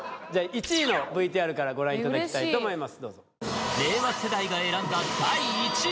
１位のＶＴＲからご覧いただきたいと思います